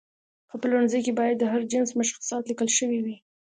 په پلورنځي کې باید د هر جنس مشخصات لیکل شوي وي.